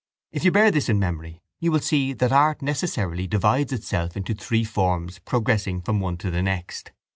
If you bear this in memory you will see that art necessarily divides itself into three forms progressing from one to the next.